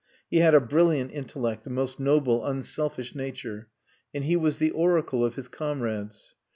He had a brilliant intellect, a most noble unselfish nature, and he was the oracle of his comrades.